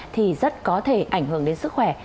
thì rất có thể ảnh hưởng đến sức khỏe